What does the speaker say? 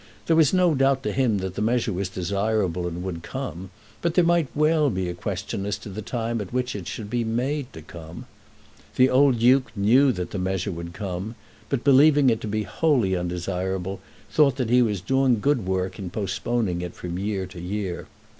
There was no doubt to him but that the measure was desirable and would come, but there might well be a question as to the time at which it should be made to come. The old Duke knew that the measure would come, but believing it to be wholly undesirable, thought that he was doing good work in postponing it from year to year.